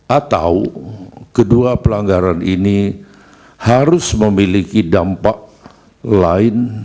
atau kedua pelanggaran ini harus memiliki dampak lain